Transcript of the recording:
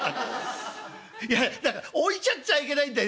だから置いちゃっちゃあいけないんだ。